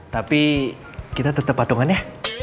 tapi kita tetap patungan ya